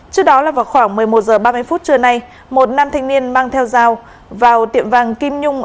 trước đó là vào khoảng một mươi một h ba mươi phút trưa nay một nam thanh niên mang theo dao vào tiệm vàng kim nhung